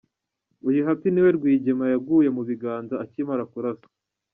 Uyu Happy niwe Rwigema yaguye mu biganza akimara kuraswa.